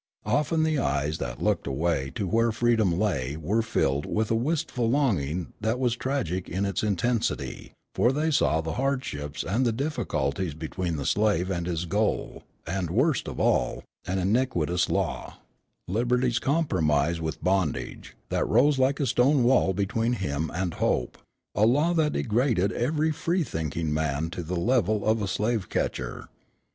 Often the eyes that looked away to where freedom lay were filled with a wistful longing that was tragic in its intensity, for they saw the hardships and the difficulties between the slave and his goal and, worst of all, an iniquitous law, liberty's compromise with bondage, that rose like a stone wall between him and hope, a law that degraded every free thinking man to the level of a slave catcher.